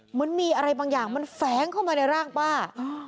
เหมือนมีอะไรบางอย่างมันแฟ้งเข้ามาในร่างป้า